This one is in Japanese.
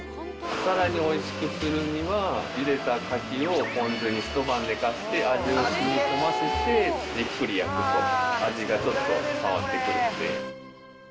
さらにおいしくするには、ゆでたカキをポン酢に一晩寝かして、味をしみこませてじっくり焼くと、味がちょっと変わってくるっていう。